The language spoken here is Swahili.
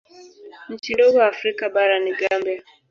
Nchi ndogo Afrika bara ni Gambia.